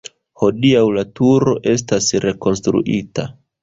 Hodiaŭ la turo estas rekonstruita.